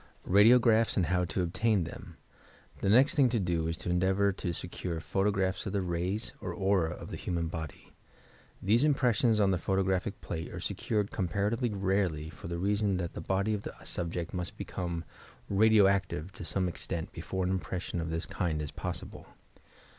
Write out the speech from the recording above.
"RADIOaRAPHS," AND HOW TO OBTAIN THXH The next thing to do is to endeavour to secure photo graphs of the rays or aura of the human body. These impressions on the photographic plafe arc secured com paratively rarely, for the reason that the body of the subject must become "radio active" to some extent be fore an impression of this kind is possible.